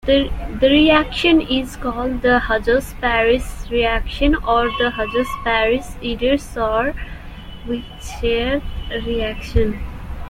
The reaction is called the Hajos-Parrish reaction or the Hajos-Parrish-Eder-Sauer-Wiechert reaction.